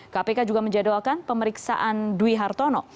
kpk juga menjadwalkan pemeriksaan dwi hartono